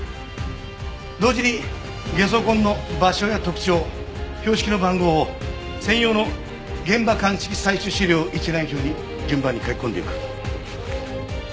同時にゲソ痕の場所や特徴標識の番号を専用の現場鑑識採取資料一覧表に順番に書き込んでいく。